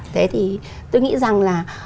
thế thì tôi nghĩ rằng là